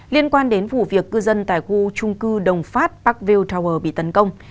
liên quan đến vụ việc cư dân tại khu trung cư đồng phát parkville tower bị tấn công